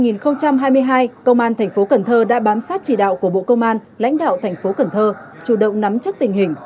năm hai nghìn hai mươi hai công an tp cần thơ đã bám sát chỉ đạo của bộ công an lãnh đạo tp cần thơ chủ động nắm chất tình hình